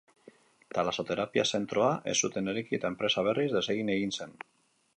Talasoterapia zentroa ez zuten eraiki eta enpresa, berriz, desegin egin zen.